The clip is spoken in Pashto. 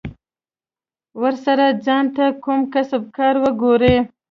ورسئ ځان ته کوم کسب کار وگورئ.